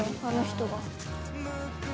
あの人が。